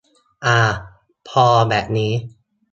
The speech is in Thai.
อา พอแบบนี้